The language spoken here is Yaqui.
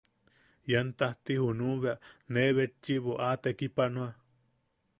Ian tajti junuʼu bea, ne betchiʼibo a tekipanoa.